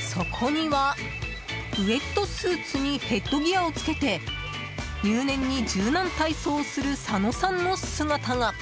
そこには、ウェットスーツにヘッドギアを着けて入念に柔軟体操をする佐野さんの姿が。